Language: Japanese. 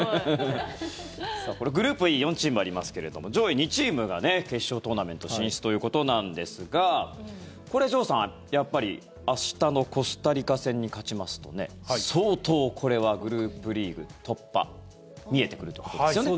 グループＥ４チームありますけれども上位２チームが決勝トーナメント進出ということなんですがこれは城さん明日のコスタリカ戦に勝ちますと相当これはグループリーグ突破見えてくるということですね。